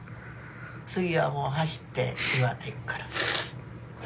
次はもう走って岩手行くから。